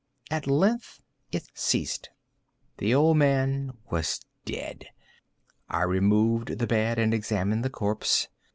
At length it ceased. The old man was dead. I removed the bed and examined the corpse.